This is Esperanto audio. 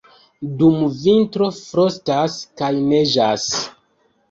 Dum vintro frostas kaj neĝas.